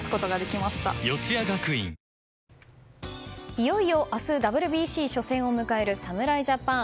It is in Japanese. いよいよ明日、ＷＢＣ初戦を迎える侍ジャパン。